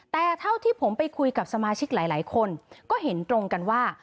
แต่เท่าที่ผมไปคุยกับสมาชิกหลายคนก็เห็นตรงกันว่า